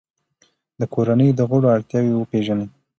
د کورنۍ د غړو اړتیاوې وپیژنئ.